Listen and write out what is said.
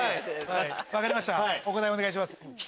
分かりましたかお答えお願いします。